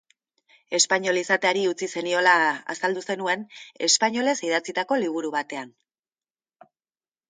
Espainol izateari utzi zeniola azaldu zenuen, espainolez idatzitako liburu batean.